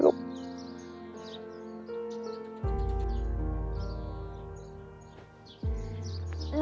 ออกไปเลย